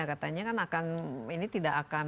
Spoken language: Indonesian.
katanya kan akan ini tidak akan